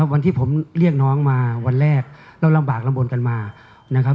วันที่ผมเรียกน้องมาวันแรกเราลำบากลำบลกันมานะครับ